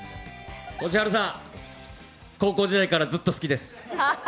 こじはるさん、高校時代からずっと好きです。